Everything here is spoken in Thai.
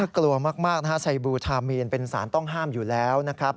กลัวมากนะฮะไซบลูทามีนเป็นสารต้องห้ามอยู่แล้วนะครับ